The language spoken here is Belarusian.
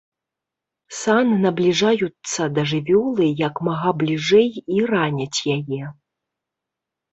Сан набліжаюцца да жывёлы як мага бліжэй і раняць яе.